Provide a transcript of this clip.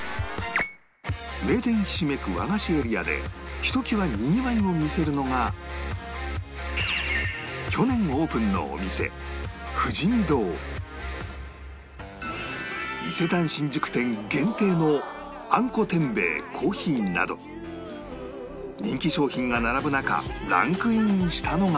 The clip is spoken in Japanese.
名店ひしめく和菓子エリアでひときわにぎわいを見せるのが去年オープンのお店伊勢丹新宿店限定のあんこ天米珈琲など人気商品が並ぶ中ランクインしたのが